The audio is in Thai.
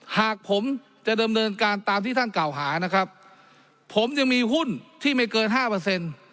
หากผมจะดำเนินการตามที่ท่านกล่าวหานะครับผมยังมีหุ้นที่ไม่เกินห้าเปอร์เซ็นต์